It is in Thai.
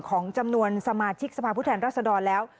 ของจำนวนสมาชิกสภาพผู้แทนรัศดรแล้ว